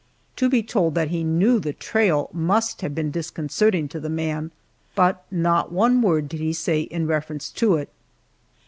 To be told that he knew the trail must have been disconcerting to the man, but not one word did he say in reference to it.